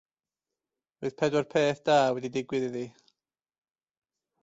Roedd pedwar peth da wedi digwydd iddi.